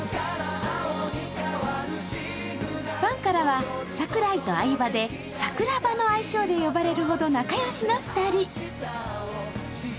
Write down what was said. ファンからは、櫻井と相葉で櫻葉の愛称で呼ばれるほど仲良しの２人。